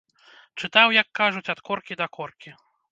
Чытаў, як кажуць, ад коркі да коркі.